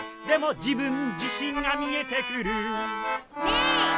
「でも自分自身が見えてくる」ねえ！